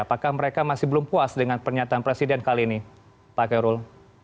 apakah mereka masih belum puas dengan pernyataan presiden kali ini pak kairul